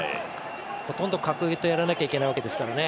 ほとんど格上とやらないといけないわけですからね。